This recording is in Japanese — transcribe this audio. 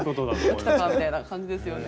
おおきたかみたいな感じですよね。